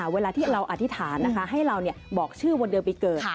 เวลาที่เราอธิษฐานให้เราบอกชื่อวันเดือนปีเกิด